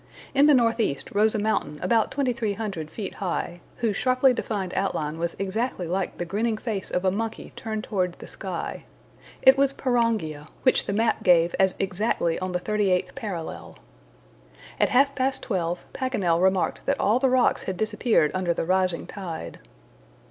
In the northeast rose a mountain about 2,300 feet high, whose sharply defined outline was exactly like the grinning face of a monkey turned toward the sky. It was Pirongia, which the map gave as exactly on the 38th parallel. At half past twelve, Paganel remarked that all the rocks had disappeared under the rising tide.